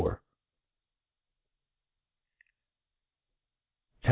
CHAP.